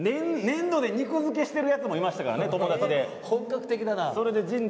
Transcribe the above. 粘土で肉づけしてる人もいましたから、友達で。